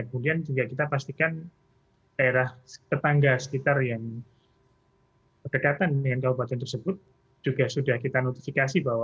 kemudian juga kita pastikan daerah tetangga sekitar yang berdekatan dengan kabupaten tersebut juga sudah kita notifikasi bahwa